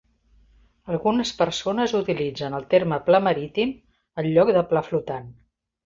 Algunes persones utilitzen el terme "pla marítim" en lloc de "pla flotant".